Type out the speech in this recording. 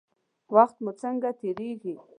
وخت مو څنګه تیریږي؟